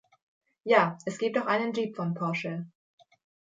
Ja, es gibt auch einen Jeep von Porsche.